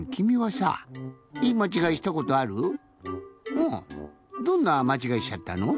うんどんなまちがいしちゃったの？